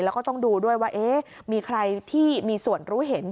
แล้วก็ต้องดูด้วยว่ามีใครที่มีส่วนรู้เห็น